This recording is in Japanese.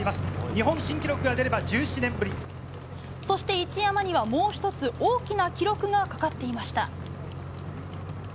そして一山には、もう１つ大きな記録がかかっていました。